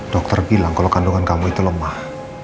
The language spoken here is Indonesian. dokter bilang kalau kandungan kamu itu lemah